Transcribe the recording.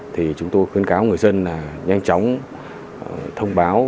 thì chúng tôi khuyến cáo người dân là nhanh chóng thông báo